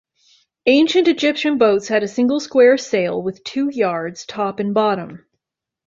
Ancient Egyptian boats had a single square sail with two yards, top and bottom.